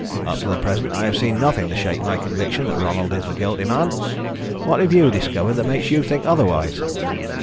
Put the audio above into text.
"Up to the present I have seen nothing to shake my conviction that Ronald is the guilty man. What have you discovered that makes you think otherwise?"